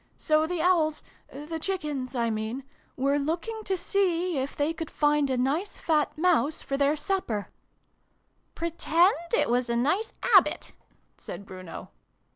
So the Owls the Chickens, I mean were look ing to see if they could find a nice fat Mouse for their supper " Pretend it was a nice 'abbit !" said Bruno.